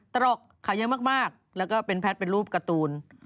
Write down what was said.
ตรอกขาเยอะมากแล้วก็เป็นแพทย์เป็นรูปการ์ตูน